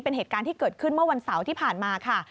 เป็นเหตุการณ์ที่เกิดขึ้นเมื่อวันเสาร์ที่ผ่านมาค่ะ